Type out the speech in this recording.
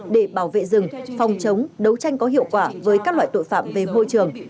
để bảo vệ rừng phòng chống đấu tranh có hiệu quả với các loại tội phạm về môi trường